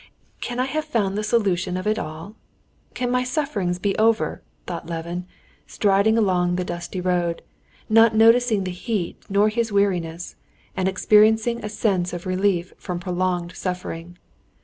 "Can I have found the solution of it all? can my sufferings be over?" thought Levin, striding along the dusty road, not noticing the heat nor his weariness, and experiencing a sense of relief from prolonged suffering.